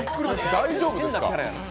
大丈夫ですか？